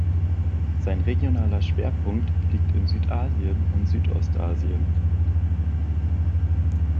Sein regionaler Schwerpunkt liegt in Südasien und Südostasien.